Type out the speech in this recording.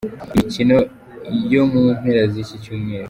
Imikino yo mu mpera z’iki cyumweru.